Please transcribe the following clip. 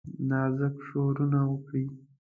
نازک شورونه وکړي